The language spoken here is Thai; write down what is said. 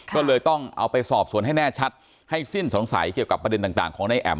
ก็เลยต้องเอาไปสอบสวนให้แน่ชัดให้สิ้นสงสัยเกี่ยวกับประเด็นต่างของนายแอ๋ม